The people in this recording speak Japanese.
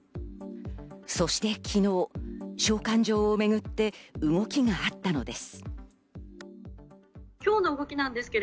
そして昨日、召喚状をめぐって動きがあったのです。